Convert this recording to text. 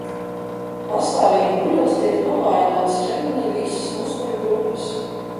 Pastāvīgi guļot tiek novājinātas ķermenī visas muskuļu grupas.